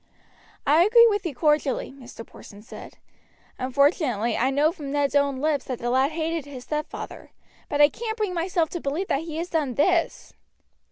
"I agree with you cordially," Mr. Porson said. "Unfortunately I know from Ned's own lips that the lad hated his stepfather; but I can't bring myself to believe that he has done this."